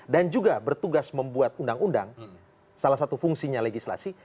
dan juga bertugas membuat undang undang salah satu fungsinya legislasi